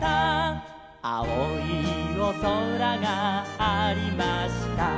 「あおいおそらがありました」